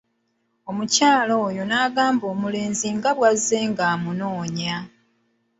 Omukyala oyo nagamba omulenzi nga bwazze ng'amunoonya.